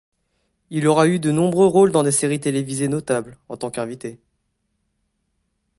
Il aura eu de nombreux rôles dans des séries télévisées notables, en tant qu'invité.